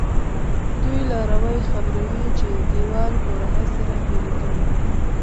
دوی لاروی خبروي چې دیوال کورنۍ سره بېلې کړي دي.